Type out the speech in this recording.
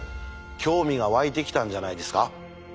興味が湧いてきたんじゃないですか？